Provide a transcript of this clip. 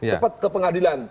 cepet ke pengadilan